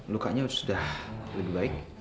lukanya sudah lebih baik